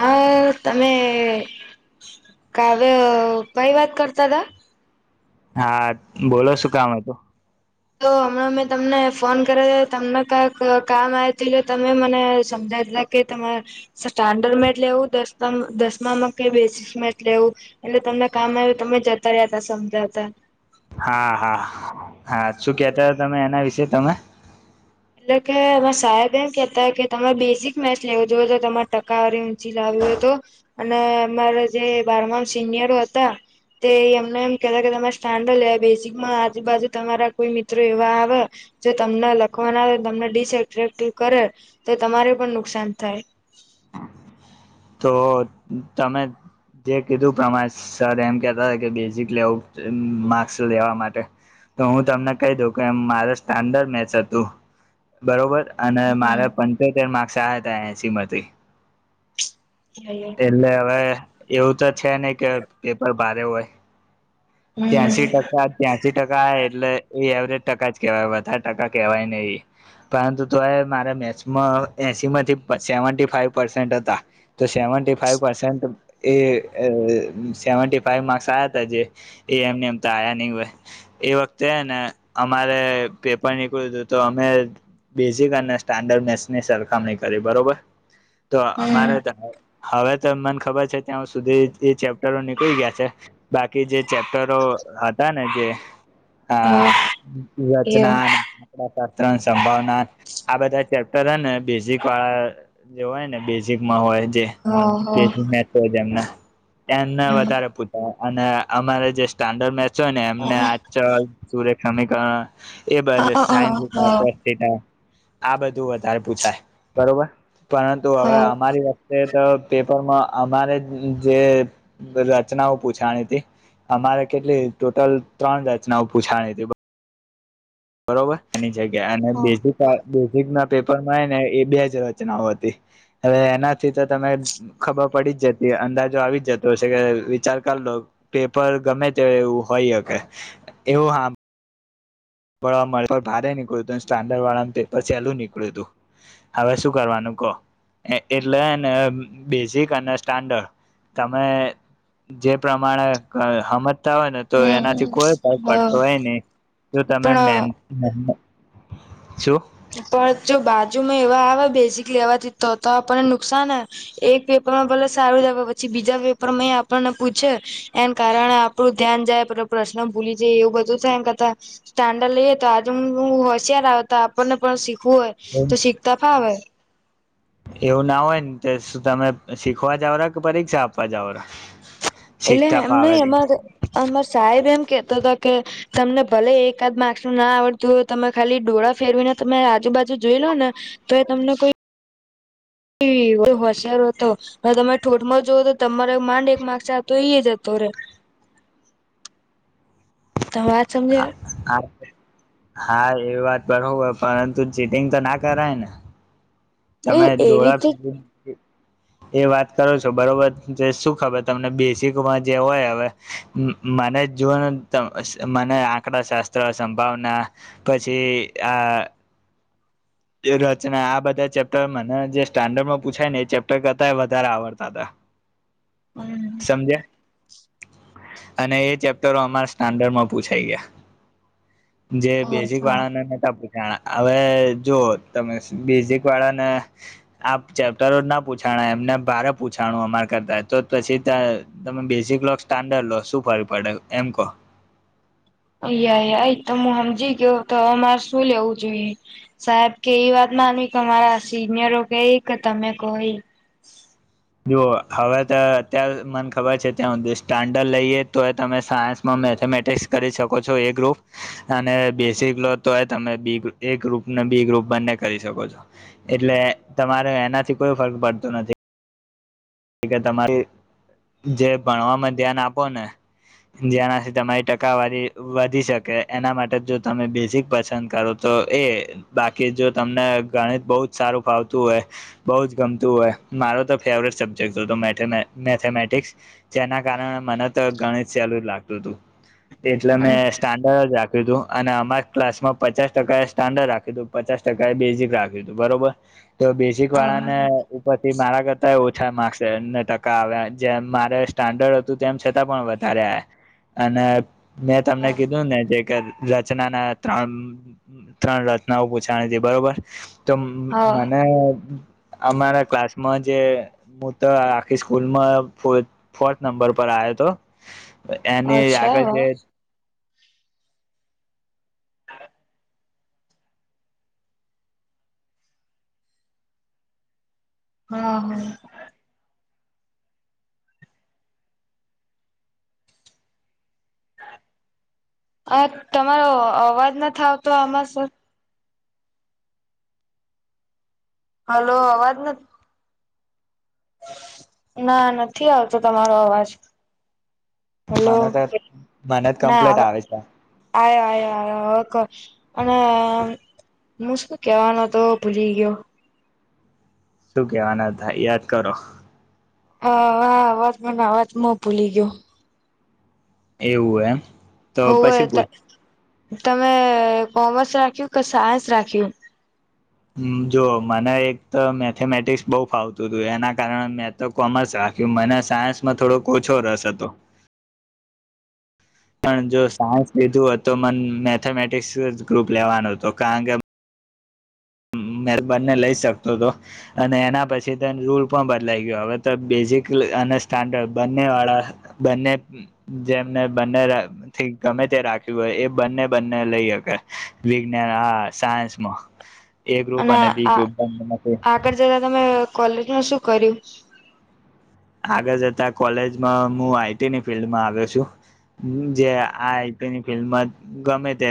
હા તમે કાવ્યભાઈ વાત કરતા હતાા હા બોલો છું કામ હો તોું તો હમણાં મેં તમને ફોન કર્યો તમને કક કામ આવ તુંટલે તમે મને સમજાવતા કે તમારે સ્ટાન્ડર્ડ મે જ લેવું દસમામાં કે બેસીસમાં જ લેવું એટલે તમને કામ આવ તમે જતા રહ્યાતા સમજાતા હા હા હા શું કેતા તમે એના વિશે જે તમે એટલે કે અ સાહેબ એમ કેતા કે તમારે બેઝિક મેચ લેવો જોવ તો તમારે ટકાવારી ઊંચી લાવ્યો હતો અને અમારા જે બારમામ સિનિયરો હતા તે એમને એમ કેતા કે તમારે સ્ટાન્ડર્ડ લેવા બેઝિક આજુબાજુ તમારા કોઈ મિત્રો એવા આવે જો તમને લખ પખવાના આવે તમને ડિસએટ્રેક્ટિવ કરે તો તમારે પણ નુકસાન થાય તો તમે જે કીધું પ્રમાણે સર એમ કેહેતા હતા કે બેઝિક લેવું માર્ક્સ લેવા માટે તો હું તમને કહી દઉ કે મારે સ્ટાન્ડર્ડ મેચ હતું બરોબર અને મારા પંચોતેર માર્ક્સ આાય શ્રીમતી એટલે હવે એવું તો છે નને કે પેપર બારે હોય હમ ત્યાસીી હમ ટકા ત્યાસી ટકા આ એટલે એ એવરેજ ટકા છે કેવાય વધારે ટકા કેવાય નહી પરંતુ તો મારે મે એસીમાંથી સેવી ફાઈવ પસેન્ટ હતા તો સેવન્ટી ફાઈવ પર્સેન્ટ એ સેવન્ટી ફાઈવ માર્ક્સ આ્યા હતા જે એ એમને એમ તો આયા નહ હોય એ વખતે ને અમારે પેપર નીકળ્યું હતું તો અમે બેઝિક અને સ્ટાન્ મેની સરખામણી કરી બરોબર તો અમારે હમ ત હવે તો મને ખબર છે ત્યાં સુધી એ ચેપ્ટરો થી ગ છે બાકી જે ચેપ્ટરો હતા ને જે હા એ હ હાચના ના ત્રણ સંભાવના આ બધા ચેપ્ટર હોને બેઝિક વાળા જે હોય ને બેઝિકમાં હોય હ એમના ત્યા ના વધારે પૂતા અને અમારે જે સ્ટાન્ડર્ડ મેચ ને એમને આ સુર શમિકા એ બ સાયન્ટા કોસ્ટટા આ બધું વધારે પૂછાય બરોબર પરંતુ હ હ હવે અમારી વત પેપરમાં અમારે જે રચનાઓ પૂછાવાની તી અમારે કેટલી ટોટલ ત્રણ રચનાઓ પૂછાની તી બરોબર અને [unintelligible] પેપર મળે ને એ બે જ રચનાઓ હતી હવે એનાથી તો તમે ખબર પડી જ જતી અંદાજો આવી જ જતો હશે કે વિચાર કર લો પેપર ગમે તે એવું હોય હકે એવું હા ભવા મળ ભારે નીકળ્યું હતું સ્ટાન્ડર્ડ વાળાનું પેપર ચેલું નીકળ્યું હતું હવે શું કરવાનું કહો એટલે હેને બેઝિક અને સ્ટાન્ડર્ડ તમે જે પ્રમાણે હમજ હોય ને તો એનાથી હમ કોઈ પગ હ પડતો હે ને તમે મેન પણ શું પણ જો બાજુમાં એવા આવે બેઝિકલી લેવાથી તો તો આપણને નુકસાન એક પેપર માં ભલે સારું જ પછી બીજા પેપરમાં આપણને પૂછે એમ કારણે આપણું ધ્યાન જાય પે પ્રશ્ન ભૂલી જાય એવું બધું થાય એમ કરતા સ્ટાન્ડર્ડ લઈએ તો આજે હું હોશિયાર આવતા આપને પણ શી હોય તો શીખતા ફાવે એવું ના હોય ને શું તમે શીખવા જાવરા કે પરીક્ષા આપવા જાવરા એટલે એમ ન એમા જ સાહેબ એમ કેતો હતો કે તમને ભલે એકાદ માર્સું ના આવડતુંય તમે ખાલી ડોળા ફેરવીને તમે આજુબાજુ જોઈ લો ને તો એ તમને કોઈ હોશિયારો હતો હ તમે ઠોઠમાં જોઓ તો તમારો માંડ એક મારસાલતો ઈ જતો રે તમેં વાત સમજે હા એવી વાત બરોબર પણ પરંતુ ચીટિંગ તો ના કરાય ને એ તમે એવી ડોડા તો એ વાત કરો છો બરોબર શું ખબર તમને બેઝિકમાં જે હોય હવે મને જોનું મને આંકડા શાસ્ત્ર સંભાવના પછી આ રચના આ બધા ચેપ્ટર મને જે સ્ટાન્ડર્ડમાં પૂછાય ને એ ચેપ્ટર કરતા વધારે આવડતા હતા હમ સમજ્યા અને એ ચેપ્ટરો અમારા સ્ટાન્ડર્ડમાં પૂછાઈ ગયા જે બેઝિક અચ્છા વાળાને નેતા આવેવે જો તમે બેઝિક વાળા ને આ ચેપ્ટરો ના પૂછાણા એમને ભારે પૂછાણું અમારા કરતા તો પછી તમે બેઝિક લો સ્ટાન્ડર્ડ લો શું ફર પડે એમ કહો અ ય તો હું સમજી ગયો તો અમારે શું લેવું જોઈએ સાહેબ કે એ વાત માનવી કે અમારા સિનિયરો કેય કે તમે કો એ જોુઓ હવે તો અત્યારે મને ખબર છે ત્યાં સ્ટાન્ડર્ડ લઈએ તો એ તમે સાયન્સમાં મેથેમેટિક્સ કરી શકો છો એ ગ્રુપ અને બેસિક લો તો એ તમે એ ગ્રુપને બી ગ્રુપ બંને કરી શકો છો એટલે તમારે એનાથી કોઈ ફર્ક પડતો નથી કે તમારી જે ભણવામાં ધ્યાન આપો ને જેનાથી તમારી ટકાવારી વધી શકે એના માટે જો તમે બેઝિક પસંદ કરો તો એ બાકી જો તમને ગણિત બહુ જ સારું ફાવતું હોય બહ જ ગમતું હોય મારો તો ફેવરેટ સબ્જ મેથેમે માથેમૅટિક્સ જેના કારણે મને તો ગણિત સહેલુંજ લાગતું તું એટલે મેં સ્ટાન્ડર્ડ જ રા ું અને અમારા ક્લાસમાં પચાસ ટકા સ્ટાન્ડર્ડ રાખ્યું હતું પચાસ ટકા એ બેઝિક રાખ્યું હતું બરોબર તો બેઝિક વાળાને ઉપરથી મારા કરતા ઓછા અ માર્સ ટકા આવ જેમ મારે સ્ટાન્ડર્ડ હતું તેમ છતાં પણ વધારે આ અને મેં તમને કીધું ને જે કે રચના ના ત્રણ ત્રણ રચનાઓ પૂછાની હતી બરોબર તો મ હા મને અમારા ક્લાસમાં જે હું તો આખી સ્કૂલમાં ફ ફોર્થ નંબર પર આવયો હતો એની અચ્છા આગળ જે હા હા આ તમારો અવાજ નથી આવતો આમાં સર હલો અવાજ નથી ના નથી આવતો તમારો અવાજ હલો માનત માનત ના કમ્પ્લેટ આવ આવે છે આ્યો આ હ કર અને હું શું કેવાનો તો ભૂલી ગયો શું કેવાના ભા યાદ કરો હા હા અવાજમાંને અવાજ મો ભૂલી ગયો એવું એમ તો હોવે પછી પૂછ તમે કોમર્સ રાખ્યું કે સાયન્સ રાખ્યું જો મને એક તો મેથેમેટિક્સ બહુ ફાવતું હતું એના કારણે મેં તો કોમર્સ રાખ્યું મને સાયન્સમાં થોડો ઓછો રસ હતો પણ જો સાયન્સ લીધું હોત તો મને મેથેમેટિક્સ જ ગ્રુપ લેવાનો હતો કારણ કે બંને લઈ શકતો હતો અને એના પછી તે રૂલ પણ બદલાઈ ગયો હવે તો બેઝિક અને સ્ટાન્ડર્ડ બંને વાળા બંને જેમને બંનેથી ગમે તે રાખ્યું હોય એ બંને બંને લઈ હકે વિજ્ઞાન હા સાયન્સમાં એ ગ્રુપ અને બી આ ગ્રુપ બંને આગળ જતા તમે કોલેજ ન શું કર્યું આગળ જતા કોલેજમાં હું આઈટીની ફિલ્ડમાં આવ્યો છું જે આ આઈટીની ફિલ્ડમાં ગમે તે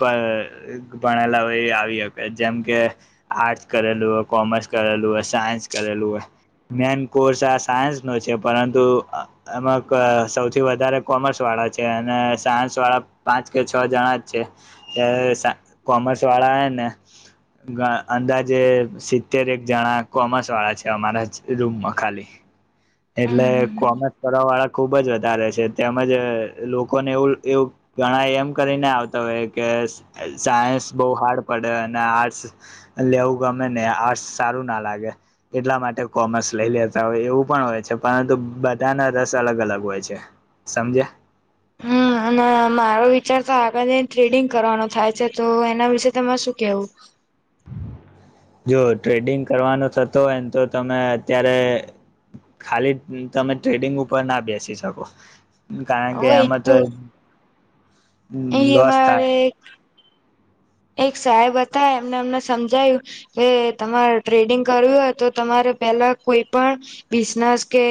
ભણેલા એ આવી શકે જેમકે આર્ટસ કરેલું હોય કોમર્સ કરેલું હોય સાયન્સ કરેલું હોય મેન કોર્સ આ સાયન્સનો છે પરંતુ એમાં ક સૌથી વધારે કોમર્સવાળા છે અને સાયન્સવાળા પાંચ કે છ જણા જ છે એ્યારે સા કોમર્સવાળા ને અંદાજે સિત્તેર એક જણા કોમર્સવાળા છે અમારા જ રૂમમાં ખાલી એટલે કોમર્સ કરવા વાળા ખુબ જ વધારે છે તેમજ લોકોને એવું એવું ઘણા એમ કરીને આવતા હોય કે સાયન્સ બહુ હાર્ડ પડે અને આર્ટસ લેવું ગમે ને આર્ટસ સારું ના લાગે એટલા માટે કોમર્સ લઈ લેતા હોય એવું પણ હોય પરંતુ બધાના રસ અલગ અલગ હોય છે સમજે હમ અને મારો વિચાર તો આગળ ટ્રેડિંગ કરવાનો થાય છે તો એના વિશેે તમારે શું કેવું જો ટ્રેડિંગ કરવાનો થતો હોયને તો તમે અત્યારે ખાલી તમે ટ્રેડિંગ ઉપર ના બેસી શકો કારણ કે એમાં તો હ એ અમારે એક સાહેબ હતા એમને અમને સમજાયું કે તમારે ટ્રેડિંગ કરવવી હોય તો તમારે પહેલા કોઈ પણ બિઝનેસ કે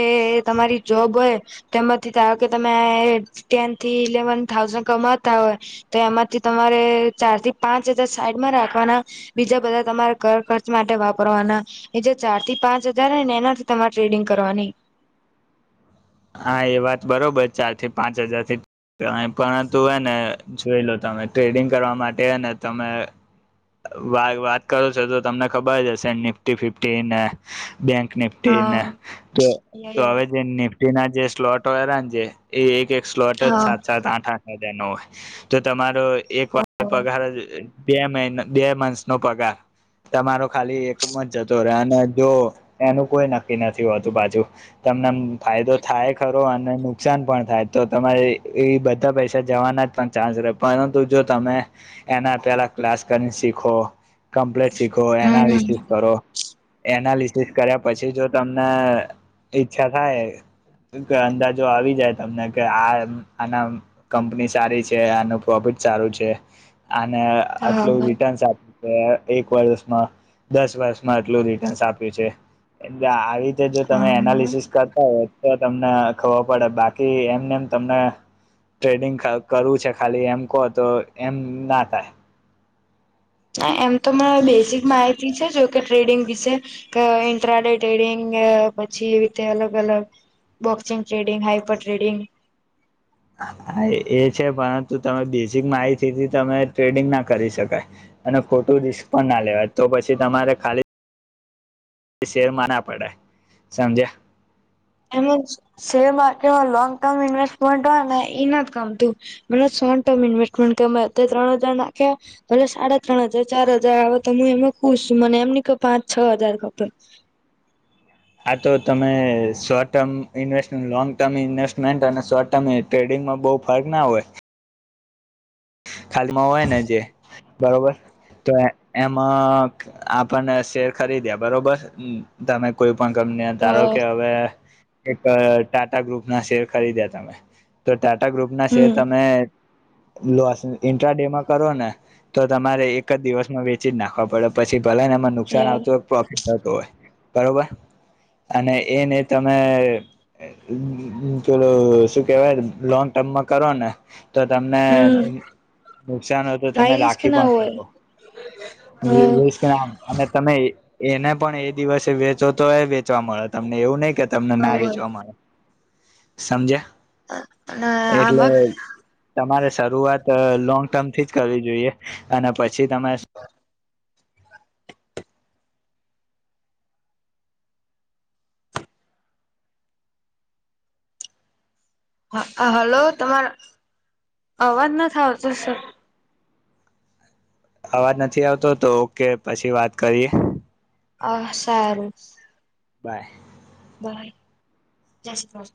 તમારી જોબ હોય તેમાંથી ધારો કે તમે ટેન થી ઇલેવન થાઉઝન્ કમાતા હોય તો એમાંથી તમારે ચાર થી પાંચ હજાર સાઈડમાં રાખવાના બીજા બધા તમારા ઘ ખર્ચ માટે વાપરવાના એ જે ચાર થી પાંચ હજાર ને એનાથી તમારે ટ્રેડિંગ કરવાની હા એ વાત બરોબર ચાર થી પાંચ હજાર થી પરંતુ હ ને જોઈ લો તમે ટ્રેડિંગ કરવા માટે હને તમે વા વાત કરો છો તો તમને ખબર જ હશે નિફ્ટી ફિફ્ટી ને બેંક નિફ્ટી હા ના તો યા હવે નિફ્ટ એના જે સ્લોટરા જે એ એક એક સ્લોટ યા તાં ન હોય તો તમારો એક વાર પગાર બે મહિનો બે મંથ નો પગાર તમારો ખાલી એકમ જ જતો રે અને જો એનું કોઈ નક્કી નથી હોતું બાજુ તમને ફાયદો થાય ખરો અને નુકસાન પણ થાય તો તમારે એ બધા પૈસા જવાના જ પણ ચાન્સ રહે પરંતુ જો તમે એના પેલા ક્લાસ કરીને શીખો કમ્પ્લેટ શીખો હા એનાલિસિસ કરો એનાલિસિસ કર્યા પછી જો તમને ઈ્છા થાય કે અંદાજો આવી જાય તમને કે આ આના કંપની સારી છે આનું પ્રોફિટ સારું છે અને આટલું હમ રિટર્નસ આપ એક વર્ષમાં દસ વર્ષમાં આટલું રિટર્ન્સ આપ્યું છે એટલે રીતે જો તમે હા એનાલિસિસ કરતા હોય તો તમને ખબર પડે બાકી એમને એમ તમને ટ્રેડિંગ કરવું છે ખાલી એમ કહો તો એમ ના થાય ના એમ તો મને બેઝિક માહિતી છે જો કે ટ્રેડિંગ વિશે ઇન્ટ્રાડે ટ્રેડિંગ પછી એ રીતે અલગ અલગ બોક્સિંગ ટ્રેડિંગ હાઈપર ટ્રેડિંગ હા એ છે પરંતુ તમે બેઝિક માહિતીથી તમે ટ્રેડિંગ ના કરી શકાય અને ખોટું રિસ્ક પણ ના લેવાય તો પછી તમારે ખાલી શેરમાં ના પડે સમજ્યા એમ શેર માર્કેટમાં લોંગ ટર્મ ઈન્વેસ્ટમેન્ટ હોય ને એ ના જ ગામતું મ શોર્ટ ટર્મ ઇન્વેસ્ટમેન્ટ કેમે ત્રણ હજાર નાખ્યા ભલે સાડા ત્રણ હજાર ચાર હજાર આવે તો હું એમાં ખુશ છું મને એમની કે પાંચ છ હજાર ખપે આા તો તમે short term investment long term investment અને શોર્ટ ટર્મ ટ્રેડિંગમાં બહુ ફર્ક ના હોય ખાલીમાં હોય ને જે બરોબર તો એમાં આપને શેર ખરીદ્યા બરોબર તમે કોઈ પણ ગમને અ ધારો કે હવે એક ટાટા ગ્રુપ ના શેર ખરીદ્યા તમે તો ટાટા ગ્રુપના શેર હમ તમે લોસ ઇન્ટ્રા ડે માં કરો ને તો તમારે એક જ દિવસમાં વ પ નાખવા પડે પછી ભલા ને એમાં નુકસાન યાર આવતો હોય પ્રોફિટ થતો હોય બરોબર અને એને તમે કેેલો શું કેવાય લોંગ ટર્મમાં કરો ને તો તમને હમ નુકસાન હોય તો તમે હાઈ રિસ્ક રાખી ના હોય પણકો હ ના અને તમે એને પણ એ દિવસે વેચો તો એ વેચવા મળે તમને એવું નહ કે તમને ના હોય વેચવા મળે સમજે અને એટલે આમાં તમારે શરૂઆત લોંગ ટર્મથી જ કરવી જોઈએ અને પછી તમે હ હલો તમારા અવાજ નથી આવતો સર અવાજ નથી આવતો તો ઓકે પછી વાત કરીએ હ સારું બાય જય શ્રી